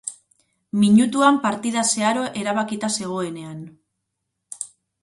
Minutuan partida zeharo erabakita zegoenean.